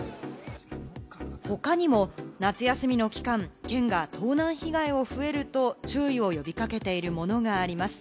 他にも夏休みの期間、県が盗難被害が増えると注意を呼び掛けているものがあります。